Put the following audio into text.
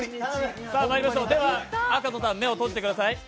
赤楚さん目を閉じてください